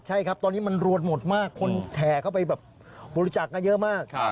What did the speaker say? ใช่ครับตอนนี้มันรวดหมดมากคนแห่เข้าไปแบบบริจาคกันเยอะมาก